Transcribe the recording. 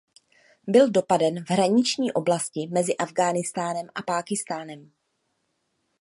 Byl dopaden v hraniční oblasti mezi Afghánistánem a Pákistánem.